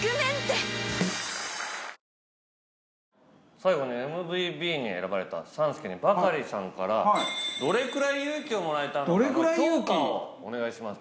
最後にＭＶＢに選ばれた３助にバカリさんからどれくらい勇気をもらえたのかのどれぐらい勇気評価をお願いします